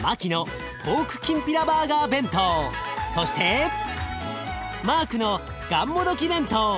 そしてマークのがんもどき弁当。